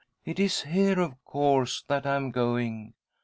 ' It is here, of course, that I am going.'